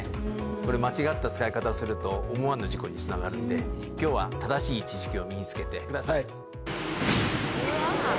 これ、間違った使い方をすると、思わぬ事故につながるんで、きょうは正しい知識を身につけてください。